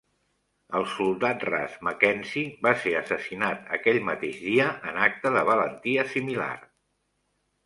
El soldat ras Mackenzie va ser assassinat aquell mateix dia en acte de valentia similar.